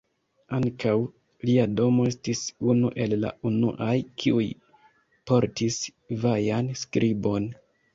Ankaŭ, lia domo estis unu el la unuaj kiuj portis vajan skribon.